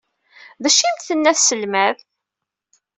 D acu ay am-tenna tselmadt?